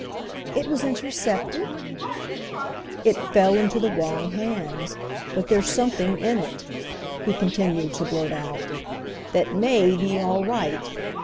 "It was intercepted?" "It fell into the wrong hands. But there's something in it," he continued to blurt out, "that may be all right.